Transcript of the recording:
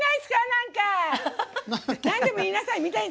なんでも言いなさい。